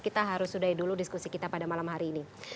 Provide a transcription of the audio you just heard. kita harus sudahi dulu diskusi kita pada malam hari ini